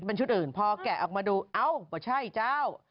เป็นชุดอื่นพอแกะออกมาดูเอ้าก็ใช่เจ้า